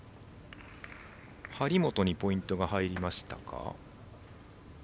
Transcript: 張本にポイントが入りましたか。